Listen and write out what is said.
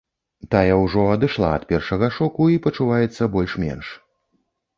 Тая ўжо адышла ад першага шоку і пачуваецца больш-менш.